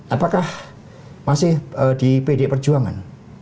apakah masih di pdi perjuangan